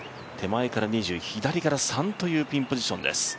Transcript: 手前から２０、左から３というピンポジションです。